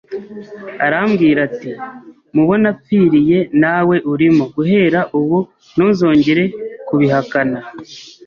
arambwira ati: mubo napfiriye nawe urimo guhera ubu ntuzongere kubihakana